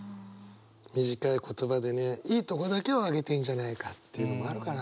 短い言葉でねいいとこだけをあげてんじゃないかっていうのもあるからね。